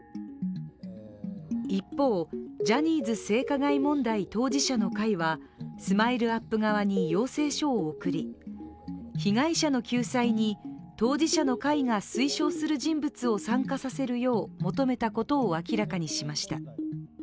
一方、ジャニーズ性加害問題当事者の会はＳＭＩＬＥ−ＵＰ側に要請書を送り、被害者の救済に当事者の会が推奨する人物を参加させるよう求めたことを明らかにしました。